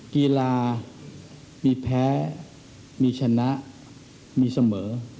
กีฬามีแพ้มีชนะมีเสมอ